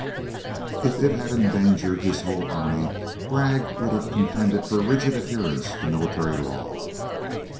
If it had endangered his whole army, Bragg would have contended for rigid adherence to military law.